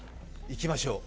行きましょう。